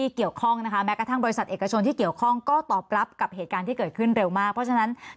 เดี๋ยวผมรู้สึกว่าผมไม่เคยเดินในแบบนี้เมื่อก่อน